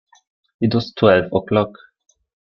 It was twelve o'clock.